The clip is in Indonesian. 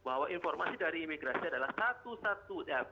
bahwa informasi dari imigrasi adalah satu satunya